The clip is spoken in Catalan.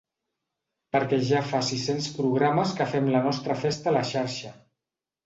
Perquè ja fa sis-cents programes que fem la nostra festa a la xarxa.